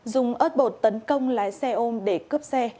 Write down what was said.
dùng ớt bột tấn công lái xe ôm để cướp xe